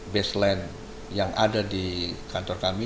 baseline yang ada di kantor kami